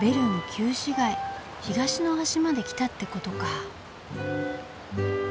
旧市街東の端まで来たってことか。